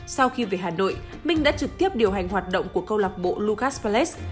sau khi về hà nội mình đã trực tiếp điều hành hoạt động của cô lọc bộ lucas pallet